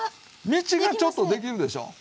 道がちょっとできるでしょ。